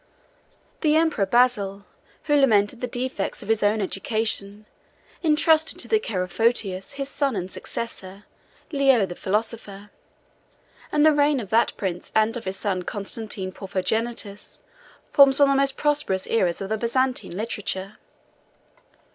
The emperor Basil, who lamented the defects of his own education, intrusted to the care of Photius his son and successor, Leo the philosopher; and the reign of that prince and of his son Constantine Porphyrogenitus forms one of the most prosperous aeras of the Byzantine literature.